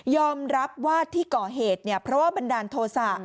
รับว่าที่ก่อเหตุเนี่ยเพราะว่าบันดาลโทษะ